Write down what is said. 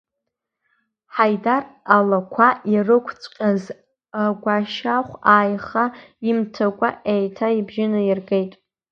Ҳаидар, алақәа ирықәцәҟьаз, агәашәахь ааиха имҭакәа, еиҭа ибжьы наиргеит.